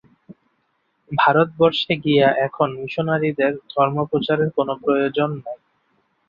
ভারতবর্ষে গিয়া এখন মিশনরীদের ধর্মপ্রচারের কোন প্রয়োজন নাই।